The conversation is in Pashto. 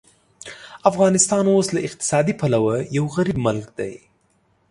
افغانستان اوس له اقتصادي پلوه یو غریب ملک دی.